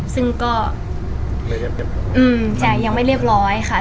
ซึ่งก็ยังไม่เรียบร้อยค่ะ